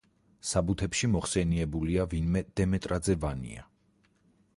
საბუთში მოხსენიებულია ვინმე დემეტრაძე ვანია.